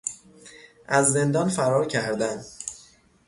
از زندان فرار کردن